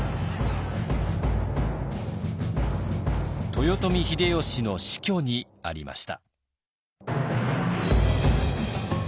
豊臣秀吉の死去にありました。